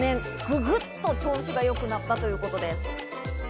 ググッと調子が良くなったということです。